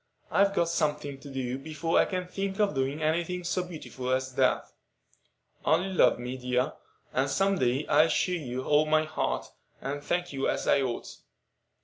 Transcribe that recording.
I've got something to do before I can think of doing any thing so beautiful as that. Only love me, dear, and some day I'll show you all my heart, and thank you as I ought."